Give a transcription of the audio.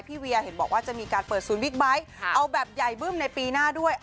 เวียเห็นบอกว่าจะมีการเปิดศูนย์บิ๊กไบท์เอาแบบใหญ่บึ้มในปีหน้าด้วย